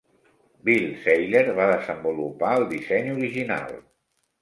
Bill Seiler va desenvolupar el disseny original.